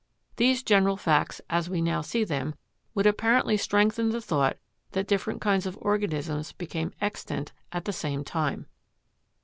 These general facts, as we now see them, would apparently strengthen the thought that different kinds of organisms became extant at the same time.